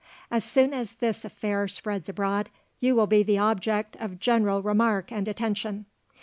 As soon as this affair spreads abroad, you will be the object of general remark and attention.